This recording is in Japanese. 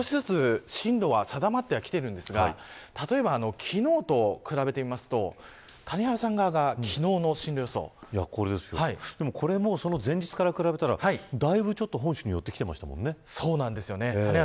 少しずつ進路は定まってきてはいるんですが例えば、昨日と比べてみると谷原さん側がこれも前日から比べたらだいぶ本州に寄ってきていましたもんね。